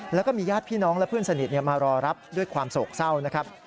แล้วก็มีญาติพี่น้องและเพื่อนสนิทมารอรับด้วยความโศกเศร้านะครับ